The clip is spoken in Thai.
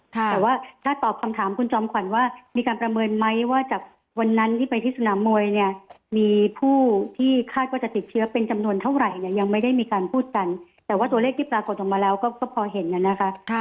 แต่ว่าถ้าตอบคำถามคุณจอมขวัญว่ามีการประเมินไหมว่าจากวันนั้นที่ไปที่สนามมวยเนี่ยมีผู้ที่คาดว่าจะติดเชื้อเป็นจำนวนเท่าไหร่เนี่ยยังไม่ได้มีการพูดกันแต่ว่าตัวเลขที่ปรากฏออกมาแล้วก็พอเห็นน่ะนะคะ